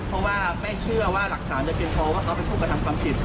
เพราะว่าแม่เชื่อว่าหลักฐานจะเพียงพอว่าเขาเป็นผู้กระทำความผิด